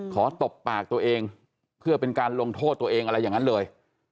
ตบปากตัวเองเพื่อเป็นการลงโทษตัวเองอะไรอย่างนั้นเลย